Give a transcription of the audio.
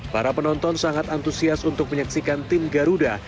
para penonton sangat antusias untuk menyaksikan tim garuda